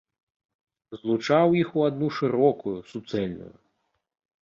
Злучаў іх у адну шырокую, суцэльную.